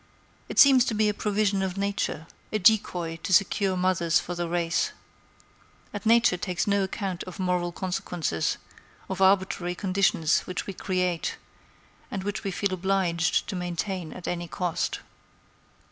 It seems to be a provision of Nature; a decoy to secure mothers for the race. And Nature takes no account of moral consequences, of arbitrary conditions which we create, and which we feel obliged to maintain at any cost."